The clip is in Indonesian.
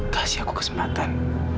kasih aku kesempatan